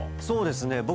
そうですね